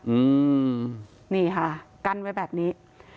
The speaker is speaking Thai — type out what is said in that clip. อืมนี่ค่ะกั้นไว้แบบนี้